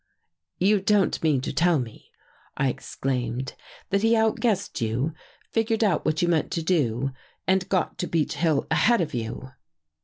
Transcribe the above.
" You don't mean to tell me," I exclaimed, " that he outguessed you, figured out what you meant to do and got to Beech Hill ahead of you?